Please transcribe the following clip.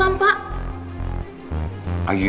jangan nbah dulu